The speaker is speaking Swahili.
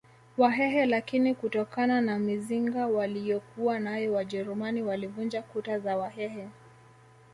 Wahehe lakini kutokana na mizinga waliyokuwanayo wajerumani walivunja kuta za wahehe